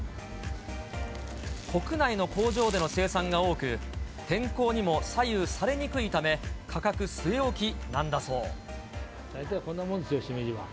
国内の工場での生産が多く、天候にも左右されにくいため、大体こんなんもんですよ、しめじは。